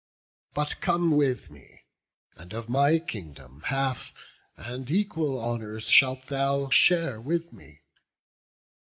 But come with me, and of my kingdom half, And equal honours shalt thou share with me.